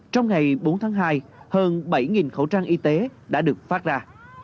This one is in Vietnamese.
trong ngày bốn tháng hai hơn bảy khẩu trang y tế đã được phát ra